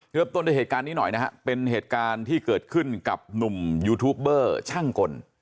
เริ่มต้นด้วยเหตุการณ์นี้หน่อยนะฮะเป็นเหตุการณ์ที่เกิดขึ้นกับหนุ่มยูทูปเบอร์ช่างกล